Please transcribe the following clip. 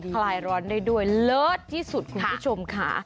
คลายร้อนได้ด้วยเลิศที่สุดคุณผู้ชมค่ะ